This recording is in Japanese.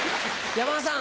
山田さん